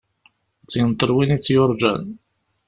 Ad tt-yenṭel win i tt-yurğan.